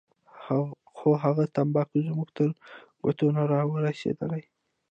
خو هغه تمباکو زموږ تر ګوتو نه راورسېدل.